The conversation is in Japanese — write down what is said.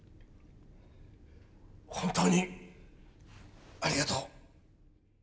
本当にありがとう。